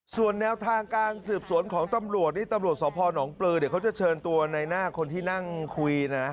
ส่วนแนวทางการสืบสวนของตำรวจนี่ตำรวจสพนปลือเดี๋ยวเขาจะเชิญตัวในหน้าคนที่นั่งคุยนะ